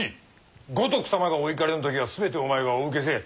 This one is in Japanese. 五徳様がお怒りの時は全てお前がお受けせえ。